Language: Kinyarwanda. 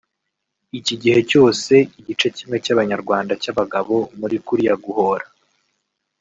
Iki gihe cyose igice kimwe cy’abanyarwanda cyabagabo muri kuriya Guhora